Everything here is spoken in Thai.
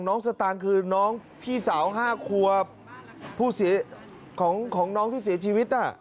น้องสตังคือน้องพี่สาวห้าครัวพี่ของน้องที่เสียชีวิต